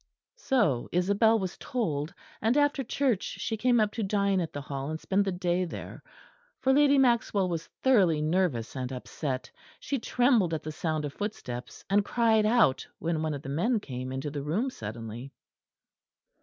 So Isabel was told; and after church she came up to dine at the Hall and spend the day there; for Lady Maxwell was thoroughly nervous and upset: she trembled at the sound of footsteps, and cried out when one of the men came into the room suddenly.